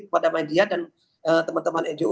kepada media dan teman teman ngo